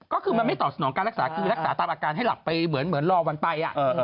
ก็คือมันไม่ตอบสนองการรักษาคือรักษาตามอาการให้หลับไปเหมือนรอวันไป